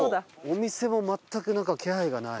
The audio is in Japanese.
お店も全くなんか気配がない。